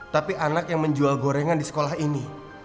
tapi anak yang menjual gorengan disekolah ini